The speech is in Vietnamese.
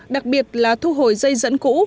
đặc biệt là thu hồi dây dẫn cũ